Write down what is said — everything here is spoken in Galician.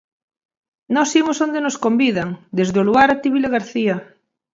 Nós imos a onde nos convidan, desde o Luar até Vilagarcía.